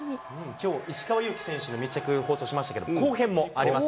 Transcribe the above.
きょう、石川祐希選手の密着、放送しましたけど、後編もあります。